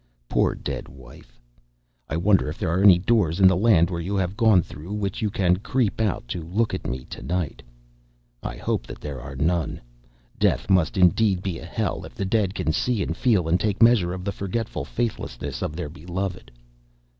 Poor dead wife, I wonder if there are any doors in the land where you have gone through which you can creep out to look at me to night? I hope that there are none. Death must indeed be a hell if the dead can see and feel and take measure of the forgetful faithlessness of their beloved.